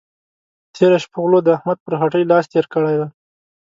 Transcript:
تېره شه غلو د احمد پر هټۍ لاس تېر کړی دی.